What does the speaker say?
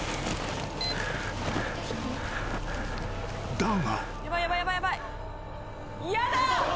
［だが］